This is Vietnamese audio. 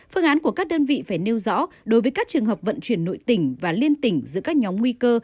phương án của các đơn vị phải nêu rõ đối với các trường hợp vận chuyển nội tỉnh và liên tỉnh giữa các nhóm nguy cơ